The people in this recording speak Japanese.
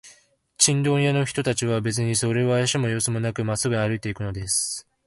チンドン屋の人たちは、べつにそれをあやしむようすもなく、まっすぐに歩いていくのです。